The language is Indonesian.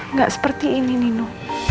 nggak seperti ini nino